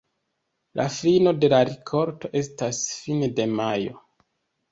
La fino de la rikolto estas fine de majo.